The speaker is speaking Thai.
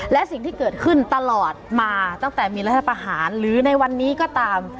และสิ่งที่เกิดขึ้นตลอดมาตั้งแต่มีรัฐประหารหรือในวันนี้ก็ตาม